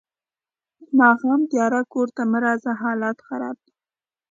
ماښام تیارۀ کور ته مه راځه حالات خراب دي.